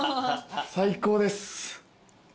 最高です。